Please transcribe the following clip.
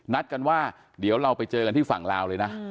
นัดกันว่าเดี๋ยวเราไปเจอกันที่ฝั่งลาวเลยนะ